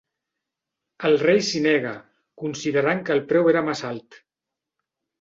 El rei s'hi negà, considerant que el preu era massa alt.